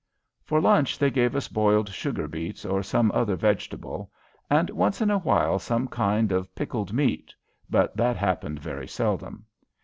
For lunch they gave us boiled sugar beets or some other vegetable, and once in a while some kind of pickled meat, but that happened very seldom.